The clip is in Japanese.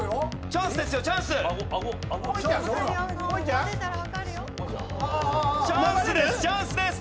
チャンスですチャンスです！